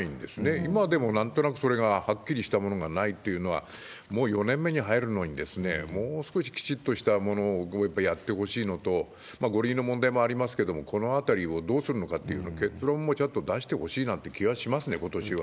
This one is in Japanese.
今でもなんとなく、それがはっきりした方策がないっていうのは、もう４年目に入るのに、もう少しきちっとしたものをやってほしいのと、５類の問題もありますけれども、このあたりをどうするかというのも、結論もちゃんと出してほしいなという気がしますね、ことしは。